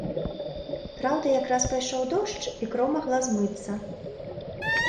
Праўда, якраз пайшоў дождж, і кроў магла змыцца.